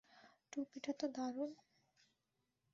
টুপিটা তো দারুন!